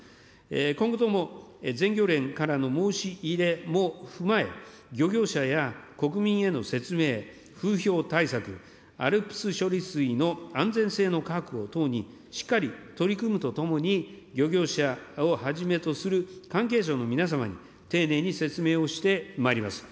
今後とも全漁連からの申し入れも踏まえ、漁業者や国民への説明、風評対策、ＡＬＰＳ処理水の安全性の確保等にしっかり取り組むとともに、漁業者をはじめとする関係者の皆様に、丁寧に説明をしてまいります。